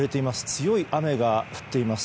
強い雨が降っています。